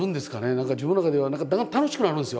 何か自分の中では何か楽しくなるんですよ。